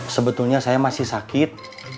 sebetulnya saya masih sakit